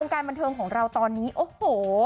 การบันเทิงของเราตอนนี้โอ้โห